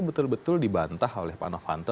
betul betul dibantah oleh pak novanto